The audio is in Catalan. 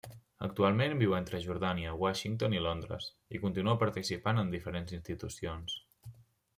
Actualment viu entre Jordània, Washington i Londres, i continua participant amb diferents institucions.